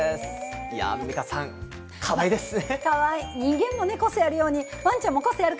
アンミカさん、かわいいですね。